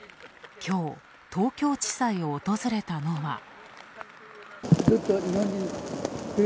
きょう東京地裁を訪れたのは。